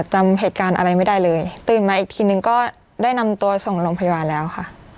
จำเหตุการณ์อะไรไม่ได้เลยตื่นมาอีกทีนึงก็ได้นำตัวส่งโรงพยาบาลแล้วค่ะ